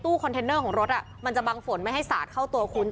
คอนเทนเนอร์ของรถมันจะบังฝนไม่ให้สาดเข้าตัวคุณ